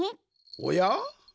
おや？